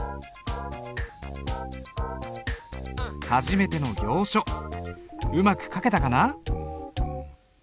初めての行書うまく書けたかな？